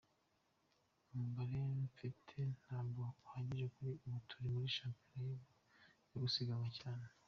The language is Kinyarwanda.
Umubare mfite ntabwo uhagije kuri ubu turi muri shampiyona yo gusiganwa cyane.